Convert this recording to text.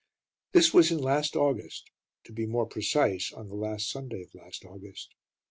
This was in last August, to be more precise, on the last Sunday of last August.